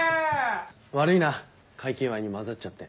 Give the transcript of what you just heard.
悪いな快気祝いに交ざっちゃって。